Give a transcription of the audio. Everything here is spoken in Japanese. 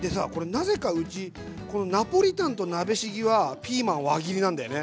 なぜかうちナポリタンと鍋しぎはピーマン輪切りなんだよね。